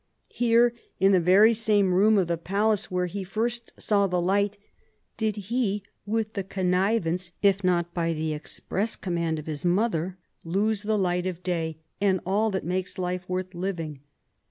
Here, in the very same room of the palace where lie first saw the light, did he with the connivance, if not by the express command, of his mother lose the light of day and all tliat makes life worth living.